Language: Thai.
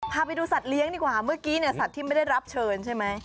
พาไปดูสัตว์เลี้ยงดีกว่าเมื่อกี้เนี่ยสัตว์ที่ไม่ได้รับเชิญใช่ไหม